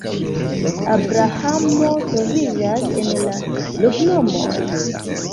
Abrahamo troviĝas en la loknomoj.